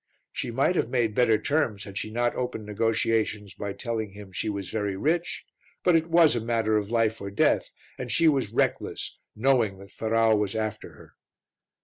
She might have made better terms had she not opened negotiations by telling him she was very rich, but it was a matter of life or death and she was reckless, knowing that Ferrau was after her.